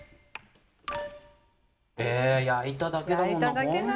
え焼いただけだもんな